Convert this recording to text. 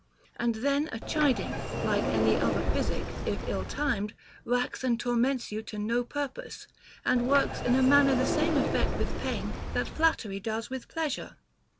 And then a chiding, like any other phys ic, if ill timed, racks and torments you to no purpose, and works in a manner the same effect with pain that flattery does with pleasure.